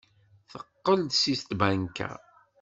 Teqqel-d seg tbanka.